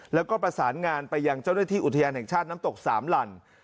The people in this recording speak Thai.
แล้วก็ประสานงานไปยังเจ้าหน้าที่อุทยานแห่งชาติน้ำตกสามหลั่น